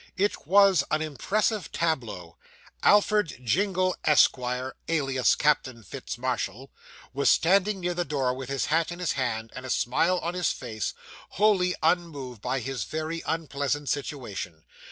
It was an impressive tableau. Alfred Jingle, Esquire, alias Captain Fitz Marshall, was standing near the door with his hat in his hand, and a smile on his face, wholly unmoved by his very unpleasant situation.